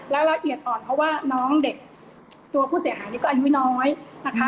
แล้วละเอียดอ่อนเพราะว่าน้องเด็กตัวผู้เสียหายนี่ก็อายุน้อยนะคะ